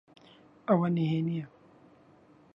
ئەوە نهێنییە؟